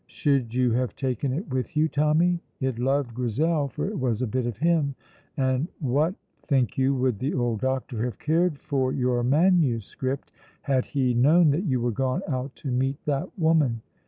Should you have taken it with you, Tommy? It loved Grizel, for it was a bit of him; and what, think you, would the old doctor have cared for your manuscript had he known that you were gone out to meet that woman?